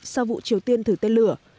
sau vụ triều tiên thử tên lửa